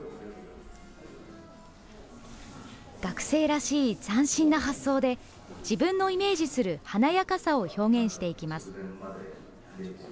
学生らしい斬新な発想で自分のイメージする華やかさを表現していきます。